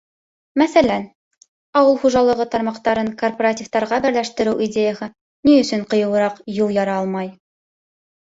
Мәҫәлән, ауыл хужалығы тармаҡтарын кооперативтарға берләштереү идеяһы ни өсөн ҡыйыуыраҡ юл яра алмай?